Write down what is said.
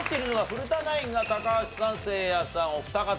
古田ナインが高橋さんせいやさんお二方。